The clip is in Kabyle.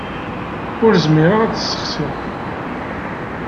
Ur zmireɣ ad t-ssexsiɣ.